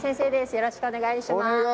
よろしくお願いします